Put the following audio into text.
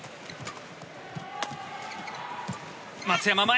松山、前。